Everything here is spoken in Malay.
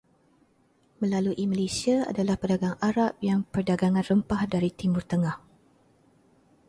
Melalui Malaysia adalah pedagang Arab yang Perdagangan rempah dari Timur Tengah.